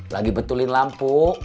lagi betulin lampu